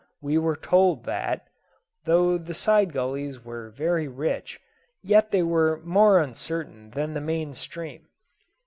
We were told that, though the side gullies were very rich, yet they were more uncertain than the main stream.